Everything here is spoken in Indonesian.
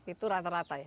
itu rata rata ya